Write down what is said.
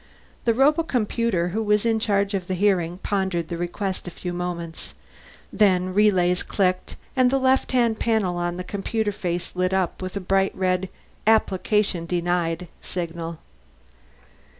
The robocomputer who was in charge of the hearing pondered the request a few moments; then relays clicked and the left hand panel on the computer face lit up with a bright red APPLICATION DENIED signal.